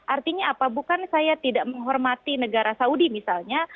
artinya apa bukan saya tidak menghormati negara saudi misalnya